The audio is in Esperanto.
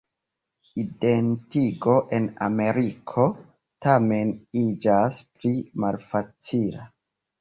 Identigo en Ameriko, tamen iĝas pli malfacila.